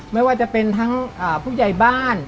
ไม่ว่าจะเป็นทั้งผู้ใหญ่บ้าน